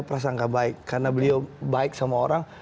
prasangka baik karena beliau baik sama orang